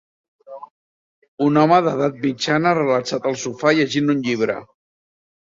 Un home d'edat mitjana relaxat al sofà llegint un llibre.